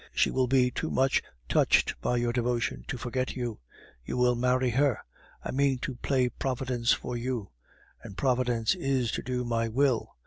She will be too much touched by your devotion to forget you; you will marry her. I mean to play Providence for you, and Providence is to do my will.